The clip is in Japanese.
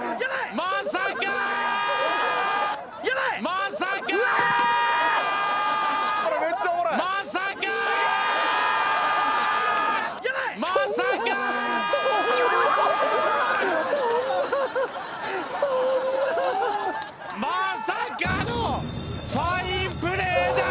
まさかのファインプレーだ！